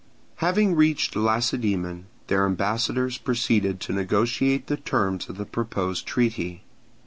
Having reached Lacedaemon, their ambassadors proceeded to negotiate the terms of the proposed treaty.